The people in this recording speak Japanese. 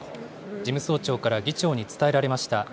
事務総長から議長に伝えられました。